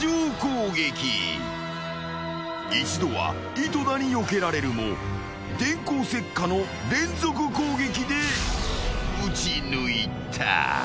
［一度は井戸田によけられるも電光石火の連続攻撃で打ち抜いた］